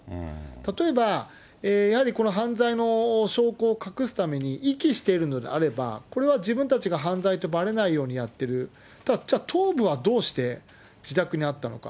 例えば、やはりこの犯罪の証拠を隠すために、遺棄しているのであれば、これは自分たちが犯罪とばれないようにやってる、じゃあ頭部はどうして自宅にあったのか。